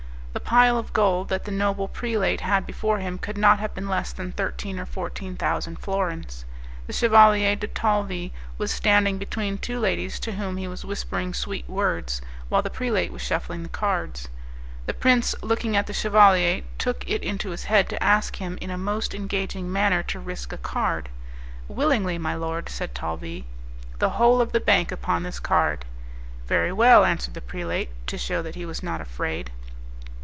The pile of gold that the noble prelate had before him could not have been less than thirteen or fourteen thousand florins. The Chevalier de Talvis was standing between two ladies to whom he was whispering sweet words, while the prelate was shuffling the cards. The prince, looking at the chevalier, took it into his head to ask him, in a most engaging manner to risk a card. "Willingly, my lord," said Talvis; "the whole of the bank upon this card." "Very well," answered the prelate, to shew that he was not afraid.